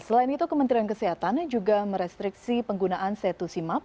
selain itu kementerian kesehatan juga merestriksi penggunaan setusimap